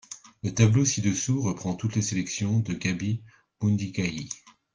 Le tableau ci-dessous reprend toutes les sélections de Gaby Mudingayi.